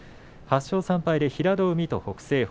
８勝３敗で平戸海と北青鵬。